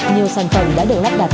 nhiều sản phẩm đã được lắp đặt